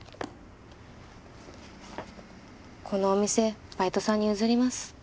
このお店バイトさんに譲ります。